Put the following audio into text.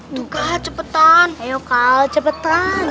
tuh kal cepetan